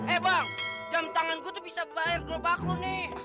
eh bang jam tangan gue tuh bisa bayar berapa aku nih